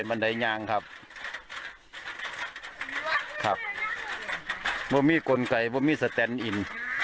บันไดย่างครับครับผมมีกลไกบูมีสแตนอิน